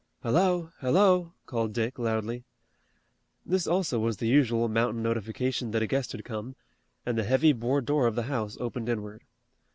"Hello! Hello!" called Dick loudly. This also was the usual mountain notification that a guest had come, and the heavy board door of the house opened inward.